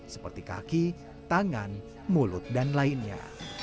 seperti kaki tangan mulut dan lainnya